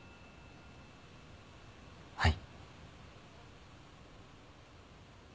はい。